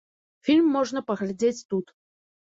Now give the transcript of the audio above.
Фільм можна паглядзець тут.